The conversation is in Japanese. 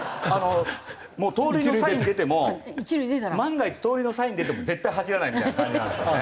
もう盗塁のサイン出ても万が一盗塁のサイン出ても絶対走らないみたいな感じなんですよね。